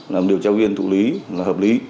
làm điều tra viên thụ lý hợp lý